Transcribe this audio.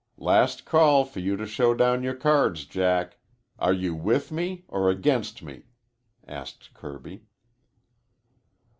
"Last call for you to show down your cards, Jack. Are you with me or against me?" asked Kirby.